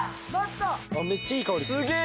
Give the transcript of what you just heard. めっちゃいい香りする。